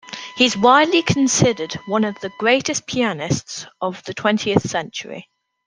He is widely considered one of the greatest pianists of the twentieth century.